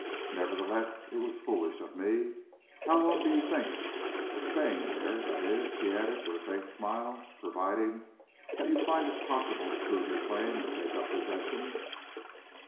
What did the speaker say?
Nevertheless, it was foolish of me. How long did you think of staying there that is," she added, with a faint smile, "providing that you find it possible to prove your claim and take up possession?"